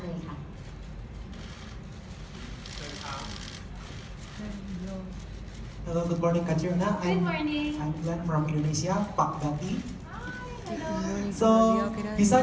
ว่าหลังจากได้รับตำแหน่งแล้วจะไปที่ไหน